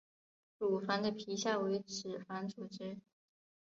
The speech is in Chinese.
乳房的皮下为脂肪组织。